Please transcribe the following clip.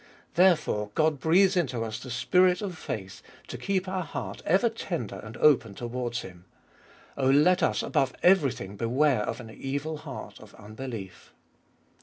Therefore God breathes into us the Spirit of faith, to keep our heart ever tender and open towards Him. Oh, let us above everything beware of an evil heart of unbelief.